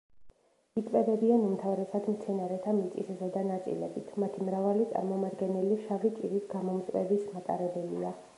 იკვებებიან უმთავრესად მცენარეთა მიწისზედა ნაწილებით; მათი მრავალი წარმომადგენელი შავი ჭირის გამომწვევის მატარებელია.